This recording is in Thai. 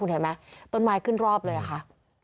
เห็นไหมต้นไม้ขึ้นรอบเลยค่ะ